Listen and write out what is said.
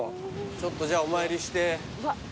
ちょっとじゃあお参りして。